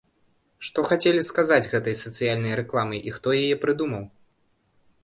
Што хацелі сказаць гэтай сацыяльнай рэкламай і хто яе прыдумаў?